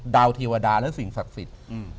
เทวดาและสิ่งศักดิ์สิทธิ์